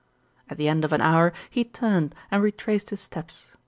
At the end of an hour he turned and retraced his steps.